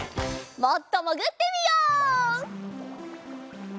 もっともぐってみよう！